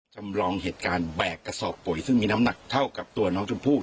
จำลองเหตุการณ์แบกกระสอบปุ๋ยซึ่งมีน้ำหนักเท่ากับตัวน้องชมพู่